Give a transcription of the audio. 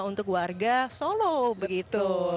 untuk warga solo begitu